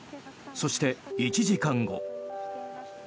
そして、１時間後。